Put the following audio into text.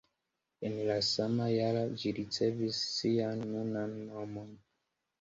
En la sama jara ĝi ricevis sian nunan nomon.